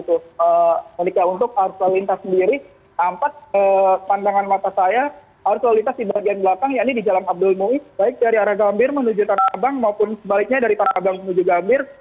monika untuk arus lalu lintas sendiri tampak pandangan mata saya arus lalu lintas di bagian belakang ya ini di jalan abdul mui baik dari arah gambir menuju tanah abang maupun sebaliknya dari tanah abang menuju gambir